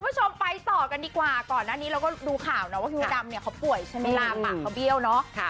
คุณผู้ชมไปต่อกันดีกว่าก่อนหน้านี้เราก็ดูข่าวนะว่าพี่มดดำเนี่ยเขาป่วยใช่ไหมลาปากเขาเบี้ยวเนอะ